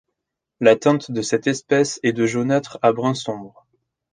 La teinte de cette espèce est de jaunâtre à brun sombre.